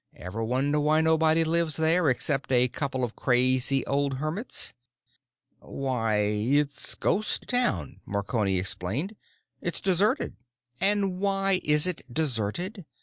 Ever wonder why nobody lives there, except a couple of crazy old hermits?" "Why, it's Ghost Town," Marconi explained. "It's deserted." "And why is it deserted?